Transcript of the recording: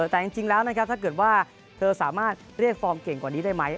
แต่จริงแล้วนะครับถ้าเกิดว่าเธอสามารถเรียกฟอร์มเก่งกว่านี้ได้ไหม